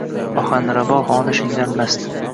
Ohanrabo xonishingdan mast